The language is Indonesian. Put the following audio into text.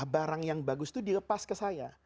barang yang bagus itu dilepas ke saya